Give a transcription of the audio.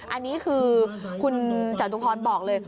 อันนี้คือคุณจตุพรบอกเลย